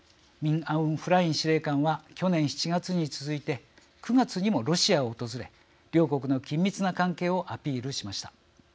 ・アウン・フライン司令官は去年７月に続いて９月にもロシアを訪れ両国の緊密な関係をアピールしました。